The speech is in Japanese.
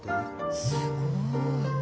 すごい。